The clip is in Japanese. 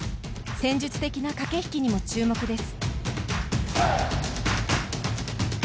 戦術的な駆け引きにも注目です。